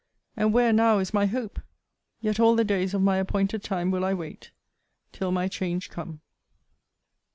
And where now is my hope? Yet all the days of my appointed time will I wait, till my change come.